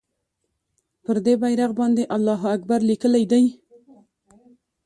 پر دې بېرغ باندې الله اکبر لیکلی دی.